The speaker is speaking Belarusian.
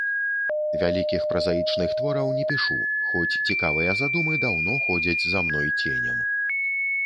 Вялікіх празаічных твораў не пішу, хоць цікавыя задумы даўно ходзяць за мной ценем.